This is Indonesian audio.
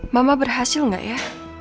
mama berhasil gak ya